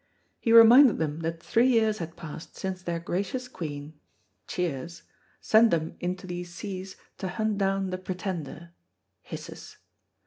He reminded them that three years had passed since their gracious queen (cheers) sent them into these seas to hunt down the Pretender (hisses).